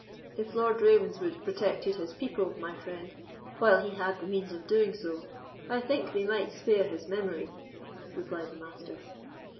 "If Lord Ravenswood protected his people, my friend, while he had the means of doing so, I think they might spare his memory," replied the Master.